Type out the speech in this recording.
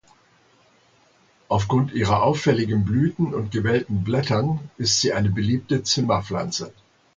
Aufgrund ihrer auffälligen Blüten und gewellten Blättern ist sie eine beliebte Zimmerpflanze.